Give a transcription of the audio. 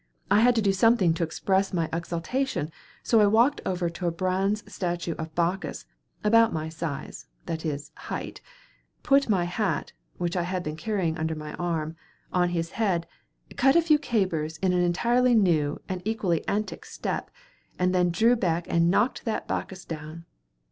I had to do something to express my exultation, so I walked over to a bronze statue of Bacchus, about my size that is, height put my hat which I had been carrying under my arm on his head, cut a few capers in an entirely new and equally antic step, and then drew back and knocked that Bacchus down.